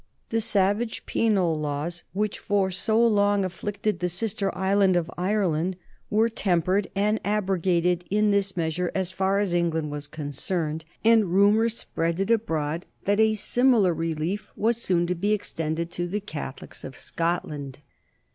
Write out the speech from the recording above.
The savage penal laws which for so long afflicted the sister island of Ireland were tempered and abrogated in this measure as far as England was concerned, and rumor spread it abroad that a similar relief was soon to be extended to the Catholics of Scotland.